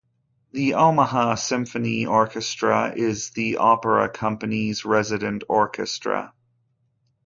The Omaha Symphony Orchestra is the opera company's resident orchestra.